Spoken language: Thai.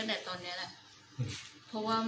เพราะว่าตอนนี้พ่อเข้ามามันจะเห็นมองกว่าแล้วนะ